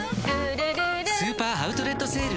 るるるるんスーパーアウトレットセール！